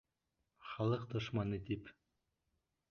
Халыҡ дошманы тип.